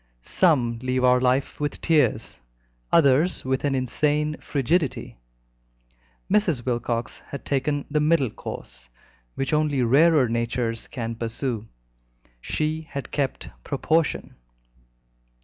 Some leave our life with tears, others with an insane frigidity; Mrs. Wilcox had taken the middle course, which only rarer natures can pursue. She had kept proportion.